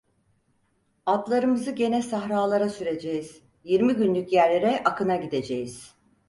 Atlarımızı gene sahralara süreceğiz, yirmi günlük yerlere akına gideceğiz.